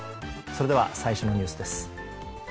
それでは最新のニュースです。